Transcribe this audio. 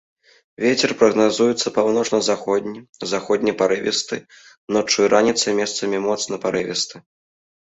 Вецер прагназуецца паўночна-заходні, заходні парывісты, ноччу і раніцай месцамі моцны парывісты.